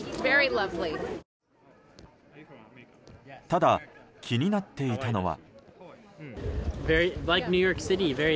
ただ、気になっていたのは。